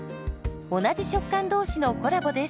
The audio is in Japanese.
同じ食感同士のコラボです。